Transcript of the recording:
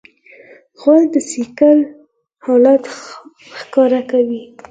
غول د ځیګر حالت ښکاره کوي.